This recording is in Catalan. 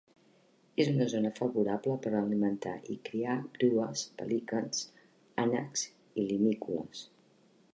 És una zona favorable per alimentar i criar grues, pelicans, ànecs i limícoles.